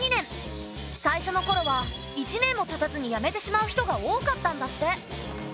最初のころは１年もたたずに辞めてしまう人が多かったんだって。